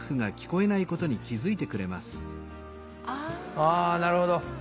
あなるほど。